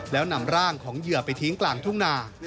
แล้วนำร่างของเหยื่อไปทิ้งกลางทุ่งนา